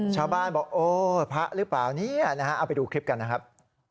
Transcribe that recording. ชาวบ้านบอกพระหรือเปล่าเอาไปดูคลิปกันนะครับ